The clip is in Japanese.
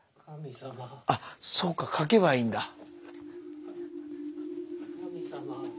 あっそうか書けばいいんだ。